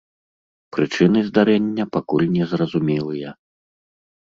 Прычыны здарэння пакуль незразумелыя.